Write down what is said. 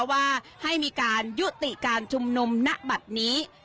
ว่าให้มีการยุติการชุมนุมณบัตรนี้